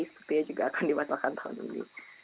sepertinya juga akan dibatalkan tahun ini